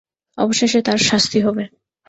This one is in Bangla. অবশেষে তার শাস্তি হবে।